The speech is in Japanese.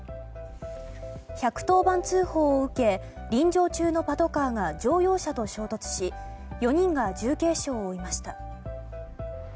１１０番通報を受け臨場中のパトカーが乗用車と衝突し４人が重軽傷を負いました。